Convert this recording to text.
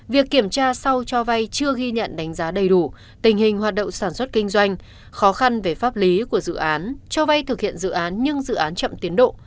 việc kiểm tra sau cho vay chưa ghi nhận đánh giá đầy đủ tình hình hoạt động sản xuất kinh doanh khó khăn về pháp lý của dự án cho vay thực hiện dự án nhưng dự án chậm tiến độ